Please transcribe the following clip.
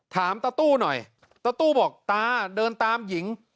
ตาตู้หน่อยตาตู้บอกตาเดินตามหญิง